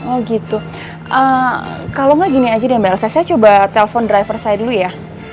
oh gitu kalau nggak gini aja deh mbak elsa saya coba telepon driver saya dulu ya